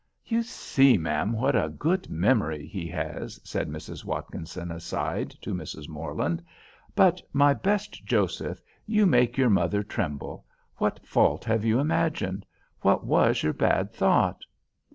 "You see, ma'am, what a good memory he has," said Mrs. Watkinson aside to Mrs. Morland. "But my best Joseph, you make your mother tremble. What fault have you imagined? What was your bad thought?"